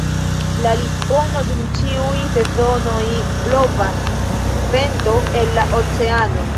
En Lisbono dum ĉiuj sezonoj blovas vento el la oceano.